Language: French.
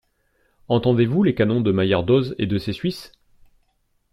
Entendez-vous les canons de Maillardoz et de ses Suisses?